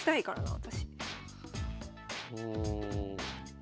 私。